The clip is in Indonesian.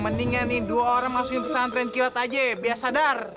gandingan nih dua orang masukin pesat renkila aja biar sadar